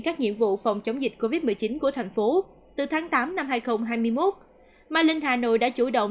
các nhiệm vụ phòng chống dịch covid một mươi chín của thành phố từ tháng tám năm hai nghìn hai mươi một ma linh hà nội đã chủ động